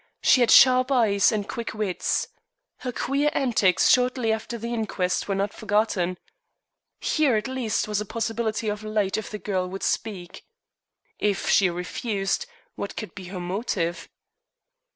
She had sharp eyes and quick wits. Her queer antics shortly after the inquest were not forgotten. Here at least was a possibility of light if the girl would speak. If she refused what could be her motive?